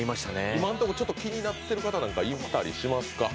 今のところ気になっている方なんかいたりしますか？